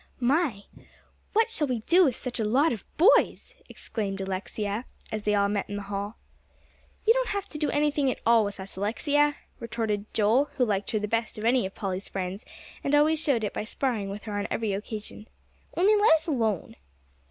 "My! What shall we do with such a lot of boys?" exclaimed Alexia, as they all met in the hall. "You don't have to do anything at all with us, Alexia," retorted Joel, who liked her the best of any of Polly's friends, and always showed it by sparring with her on every occasion, "only let us alone."